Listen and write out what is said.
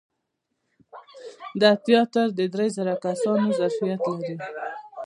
دا تیاتر د درې زره کسانو د ظرفیت لري.